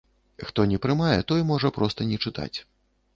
Хто не прымае, той можа проста не чытаць.